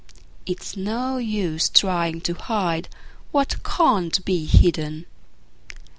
It's no use trying to hide what can't be hidden.